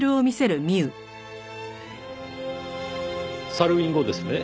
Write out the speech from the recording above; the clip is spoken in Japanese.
サルウィン語ですね。